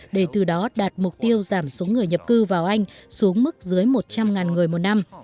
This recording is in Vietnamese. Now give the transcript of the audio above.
để từ đó đạt mục tiêu giảm số người nhập cư vào anh xuống mức dưới một trăm linh người một năm